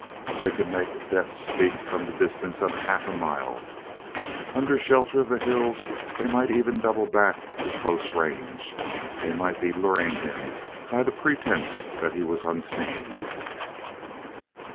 They could make death speak from the distance of half a mile; under shelter of the hills they might even double back to close range; they might be luring him by the pretense that he was unseen.